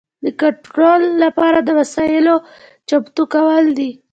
د کنټرول لپاره د وسایلو چمتو کول دي.